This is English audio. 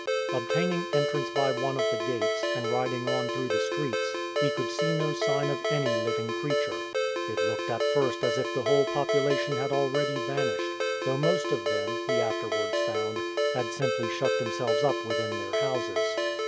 Obtaining entrance by one of the gates, and riding on through the streets, he could see no sign of any living creature. It looked at first as if the whole population had already vanished, though most of them, he afterwards found, had simply shut themselves up within their houses.